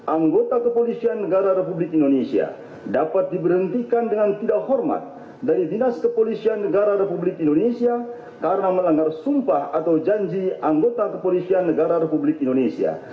anggota kepolisian negara republik indonesia dapat diberhentikan dengan tidak hormat dari dinas kepolisian negara republik indonesia karena melanggar sumpah atau janji anggota kepolisian negara republik indonesia